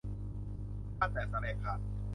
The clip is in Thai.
บ้านแตกสาแหรกขาด